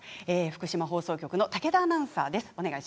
福島放送局の武田アナウンサーです。